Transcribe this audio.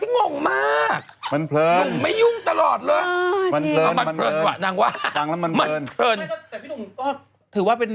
ช่วงหลักการพูดมันก็น้ำ